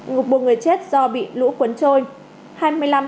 ngục buộc người chết do bị lũ cuốn trôi